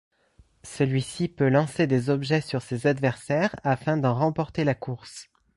Celui-ci peut lancer des objets sur ses adversaires afin d'en remporter la course.